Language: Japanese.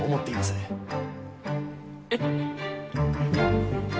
えっ。